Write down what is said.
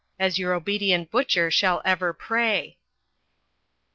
As your obedient butcher shall ever pray."